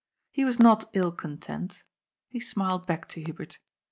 He was not ill content. He smiled back to Hubert.